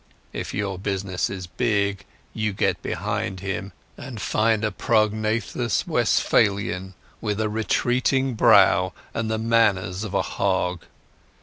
If your business is big, you get behind him and find a prognathous Westphalian with a retreating brow and the manners of a hog.